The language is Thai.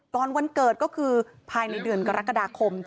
วันเกิดก็คือภายในเดือนกรกฎาคม